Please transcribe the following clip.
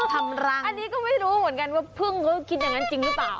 ทำรังอันนี้ก็ไม่รู้เหมือนกันว่าพึ่งเขาคิดอย่างนั้นจริงหรือเปล่า